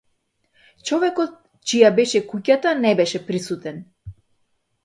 Човекот чија беше куќата не беше присутен.